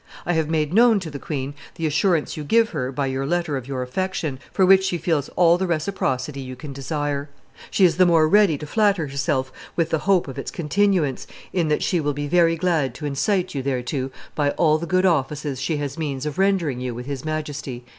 I have made known to the queen the assurance you give her by your letter of your affection, for which she feels all the reciprocity you can desire. She is the more ready to flatter herself with the hope of its continuance, in that she will be very glad to incite you thereto by all the good offices she has means of rendering you with His Majesty."